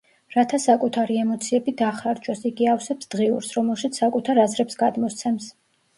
რათა საკუთარი ემოციები დახარჯოს, იგი ავსებს დღიურს, რომელშიც საკუთარ აზრებს გადმოსცემს.